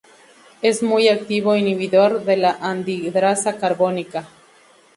Es un muy activo inhibidor de la anhidrasa carbónica.